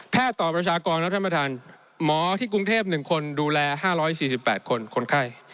ต่อประชากรครับท่านประธานหมอที่กรุงเทพ๑คนดูแล๕๔๘คนคนไข้